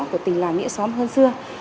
của tình làng nghĩa xóm hơn xưa